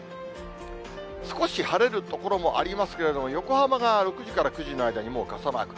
少し晴れる所もありますけれども、横浜が６時から９時の間に、もう傘マーク。